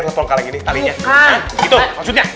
telepon kali ini talinya